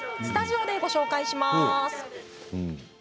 スタジオでご紹介します。